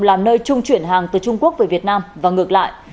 là nơi trung chuyển hàng từ trung quốc về việt nam và ngược lại